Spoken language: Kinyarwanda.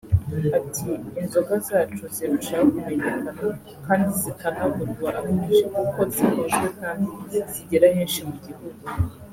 Ati" Inzoga zacu zirushaho kumenyekana kandi zikanagurwa ari nyinshi kuko zikunzwe kandi zigera henshi mu gihugu